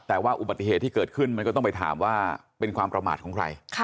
แต่ว่าอุบัติเหตุที่เกิดขึ้นมันก็ต้องไปถามว่าเป็นความประมาทของใคร